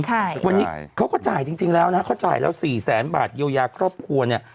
ใช่วันนี้เขาก็จ่ายจริงแล้วนะฮะเขาจ่ายแล้วสี่แสนบาทเยียวยาครอบครัวเนี่ย